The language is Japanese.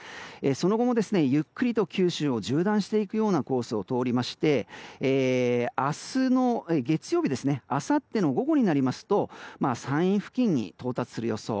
その後もゆっくりと九州を縦断していくコースをとってあさっての午後になりますと山陰付近に到達する予想。